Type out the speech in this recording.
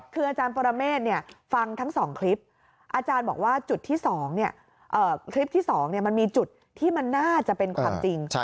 คืออาจารย์ปรเมฆฟังทั้ง๒คลิปอาจารย์บอกว่าจุดที่๒คลิปที่๒มันมีจุดที่มันน่าจะเป็นความจริง